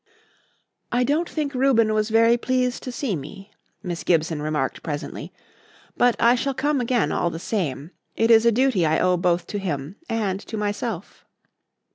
"I don't think Reuben was very pleased to see me," Miss Gibson remarked presently, "but I shall come again all the same. It is a duty I owe both to him and to myself."